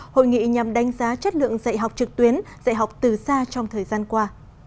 hội nghị nhằm đánh giá chất lượng dạy học trực tuyến dạy học từ xa trong thời gian qua